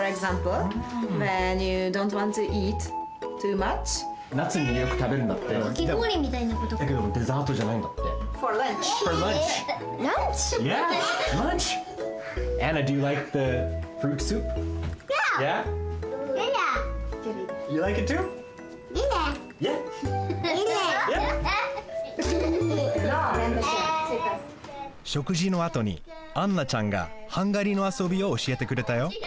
しょくじのあとにアンナちゃんがハンガリーのあそびをおしえてくれたよ